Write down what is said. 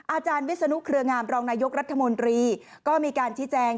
อาจารย์วิศนุเครืองามรองนายกรัฐมนตรีก็มีการชี้แจง